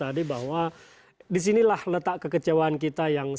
terima kasih banyak jadi ambil video juga